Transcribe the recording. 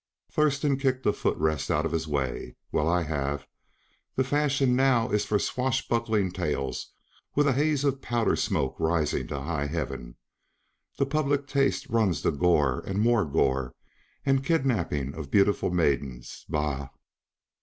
Thurston kicked a foot rest out of his way. "Well, I have. The fashion now is for swashbuckling tales with a haze of powder smoke rising to high heaven. The public taste runs to gore and more gore, and kidnappings of beautiful maidens bah!"